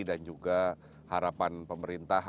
dan juga harapan pemerintah